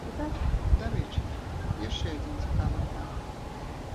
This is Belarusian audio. Дарэчы, яшчэ адзін цікавы момант.